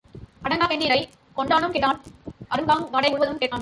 அடங்காப் பெண்டிரைக் கொண்டானும் கெட்டான் அறுகங்காட்டை உழுதவனும் கெட்டான்.